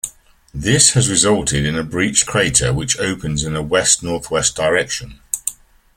This has resulted in a breached crater which opens in a west-northwest direction.